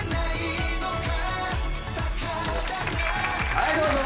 はいどうぞ。